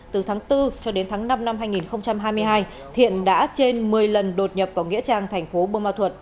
từ tháng bốn cho đến tháng năm năm hai nghìn hai mươi hai thiện đã trên một mươi lần đột nhập vào nghĩa trang thành phố bô ma thuật